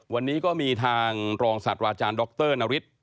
วันนี้ก็มีทางรองสัตว์อาจารย์ดรนริธ